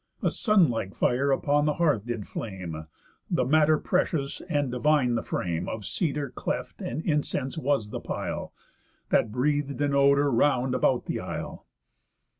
A sun like fire upon the hearth did flame, The matter precious, and divine the frame, Of cedar cleft and incense was the pile, That breath'd an odour round about the isle.